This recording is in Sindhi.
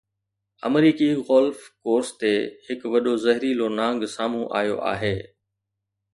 آمريڪي گولف ڪورس تي هڪ وڏو زهريلو نانگ سامهون آيو آهي